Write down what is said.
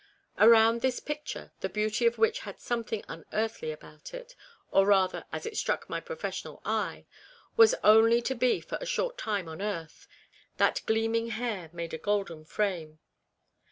Around this picture, the beauty of which had something unearthly about it, or rather, as it struck my professional eye, was only to be for a short time on earth, that gleaming hair made a golden frame.